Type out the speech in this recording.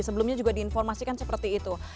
sebelumnya juga diinformasikan seperti itu